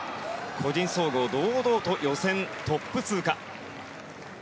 個人総合堂々と予選トップ通過。